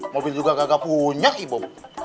mobil juga kagak punya ibu